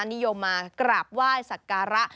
นิยมมากราบไหว้สักการะ